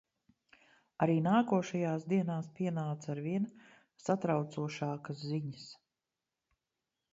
Arī nākošajās dienās pienāca arvien satraucošākas ziņas.